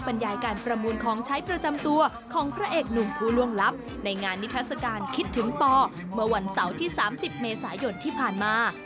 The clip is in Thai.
บรรยายการประมูลของใช้ประจำตัวของพระเอกหนุ่มผู้ล่วงลับในงานนิทัศกาลคิดถึงปเมื่อวันเสาร์ที่๓๐เมษายนที่ผ่านมา